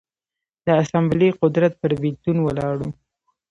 د اسامبلې قدرت پر بېلتون ولاړ و.